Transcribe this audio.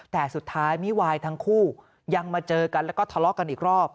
แต่สุดท้ายมิวายทั้งคู่ยังมาเจอกันแล้วก็ทะเลาะกันอีกรอบ